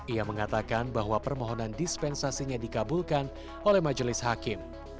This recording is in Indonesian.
ia mengatakan bahwa permohonan dispensasinya dikabulkan oleh majelis hakim